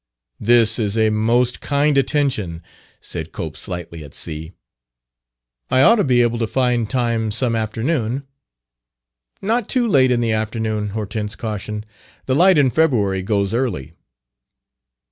"This is a most kind attention," said Cope, slightly at sea. "I ought to be able to find time some afternoon...." "Not too late in the afternoon," Hortense cautioned. "The light in February goes early."